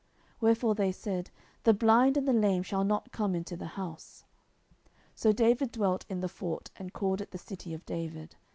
Wherefore they said, The blind and the lame shall not come into the house. 10:005:009 So David dwelt in the fort, and called it the city of David.